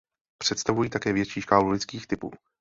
Představují také větší škálu lidských typů.